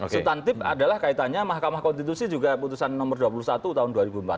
subtantif adalah kaitannya mahkamah konstitusi juga putusan nomor dua puluh satu tahun dua ribu empat belas